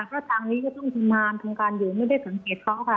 เพราะทางนี้ก็ต้องทำงานทำการอยู่ไม่ได้สังเกตเขาค่ะ